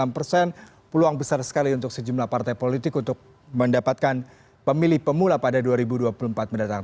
enam persen peluang besar sekali untuk sejumlah partai politik untuk mendapatkan pemilih pemula pada dua ribu dua puluh empat mendatang